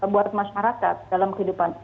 buat masyarakat dalam kehidupan